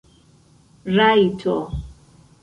rajto